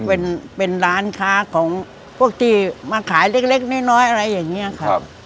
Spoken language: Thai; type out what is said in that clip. เป็นเป็นร้านค้าของพวกที่มาขายเล็กเล็กนิ้วน้อยอะไรอย่างเงี้ยครับครับ